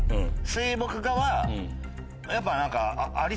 水墨画はやっぱ何か。